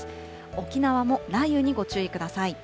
沖縄も雷雨にご注意ください。